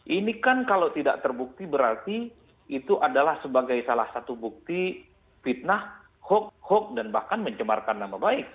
ini kan kalau tidak terbukti berarti itu adalah sebagai salah satu bukti fitnah hoax hoax dan bahkan mencemarkan nama baik